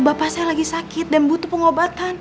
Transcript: bapak saya lagi sakit dan butuh pengobatan